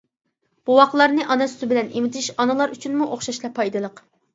بوۋاقلارنى ئانا سۈتى بىلەن ئېمىتىش ئانىلار ئۈچۈنمۇ ئوخشاشلا پايدىلىق.